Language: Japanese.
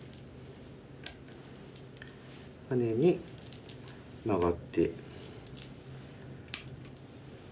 ハネにマガって。